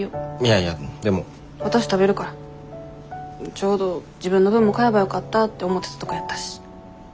ちょうど自分の分も買えばよかったって思ってたとこやったし。